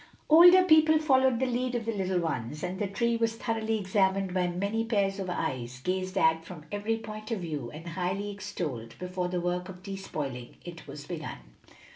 Older people followed the lead of the little ones, and the tree was thoroughly examined by many pairs of eyes, gazed at from every point of view, and highly extolled, before the work of despoiling it was begun.